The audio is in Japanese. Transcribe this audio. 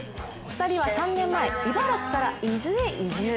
２人は３年前、茨城から伊豆へ移住。